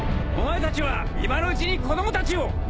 お前たちは今のうちに子供たちを！